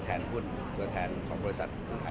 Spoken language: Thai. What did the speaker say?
มันเป็นแบบที่สุดท้ายแต่มันเป็นแบบที่สุดท้าย